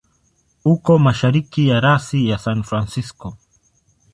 Uko mashariki ya rasi ya San Francisco.